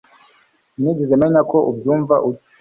sinigeze menya ko ubyumva utyo